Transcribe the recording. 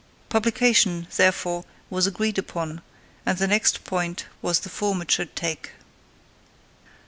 Publication, therefore, was agreed upon, and the next point was the form it should take.